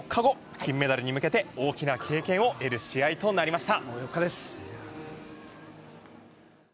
金メダルに向けて大きな経験を得る試合となりました。